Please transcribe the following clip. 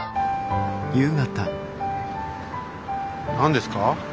何ですか？